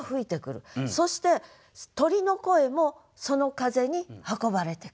そして鳥の声もその風に運ばれてくる。